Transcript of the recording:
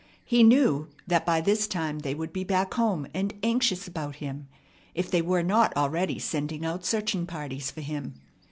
He knew that by this time they would be back home and anxious about him, if they were not already sending out searching parties for him.